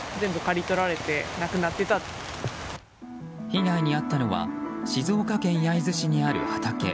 被害に遭ったのは静岡県焼津市にある畑。